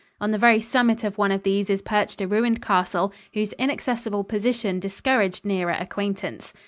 On the very summit of one of these is perched a ruined castle, whose inaccessible position discouraged nearer acquaintance.